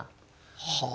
はあ。